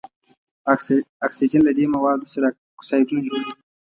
اکسیجن له دې موادو سره اکسایدونه جوړوي.